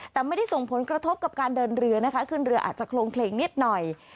แต่ไม่ได้ส่งผลกระทบกับการเดินเรือนะคะขึ้นเรืออาจจะโครงเคลงนิดหน่อย